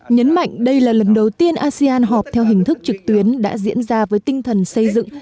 nhấn mạnh đây là lần đầu tiên asean họp theo hình thức trực tuyến đã diễn ra với tinh thần xây dựng